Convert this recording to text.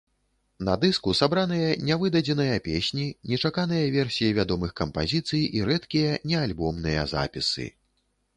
На дыску сабраныя нявыдадзеныя песні, нечаканыя версіі вядомых кампазіцый і рэдкія неальбомныя запісы.